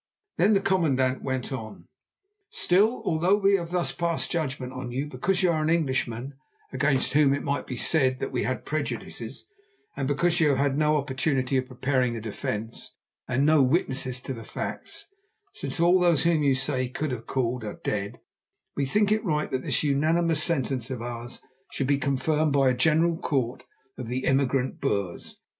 Then the commandant went on: "Still, although we have thus passed judgment on you; because you are an Englishman against whom it might be said that we had prejudices, and because you have had no opportunity of preparing a defence, and no witnesses to the facts, since all those whom you say you could have called are dead, we think it right that this unanimous sentence of ours should be confirmed by a general court of the emigrant Boers.